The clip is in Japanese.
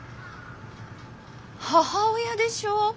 母親でしょ？